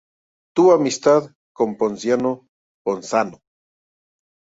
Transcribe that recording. Tuvo amistad con Ponciano Ponzano.